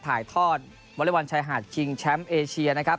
ถ่ายทอดวอเล็กบอลชายหาดชิงแชมป์เอเชียนะครับ